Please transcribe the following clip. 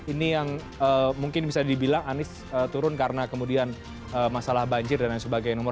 ini yang mungkin bisa dibilang anies turun karena kemudian masalah banjir dan lain sebagainya